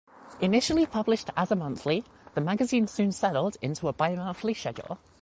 Initially published as a monthly, the magazine soon settled into a bimonthly schedule.